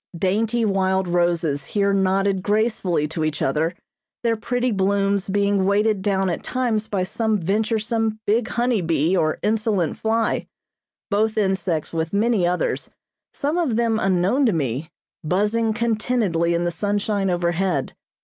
Dainty wild roses here nodded gracefully to each other, their pretty blooms being weighted down at times by some venturesome, big honey bee or insolent fly; both insects with many others, some of them unknown to me, buzzing contentedly in the sunshine overhead.